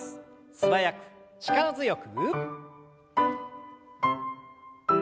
素早く力強く。